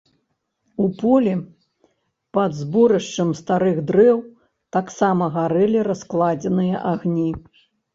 У полі, пад зборышчам старых дрэў, таксама гарэлі раскладзеныя агні.